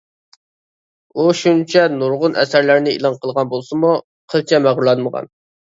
ئۇ شۇنچە نۇرغۇن ئەسەرلەرنى ئېلان قىلغان بولسىمۇ، قىلچە مەغرۇرلانمىغان.